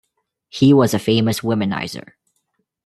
He was a famous womanizer.